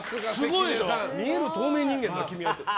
見える透明人間だ、君はって。